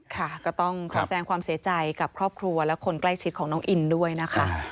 ค่ะก็ต้องขอแสงความเสียใจกับครอบครัวและคนใกล้ชิดของน้องอินด้วยนะคะ